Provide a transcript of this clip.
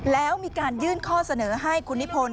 แล้วมีการยื่นข้อเสนอให้คุณนิพนธ